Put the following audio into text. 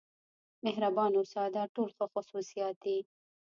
مهربان اوسه دا ټول ښه خصوصیات دي.